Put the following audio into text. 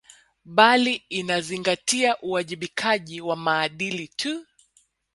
Bali inazingatia uwajibikaji wa maadili tu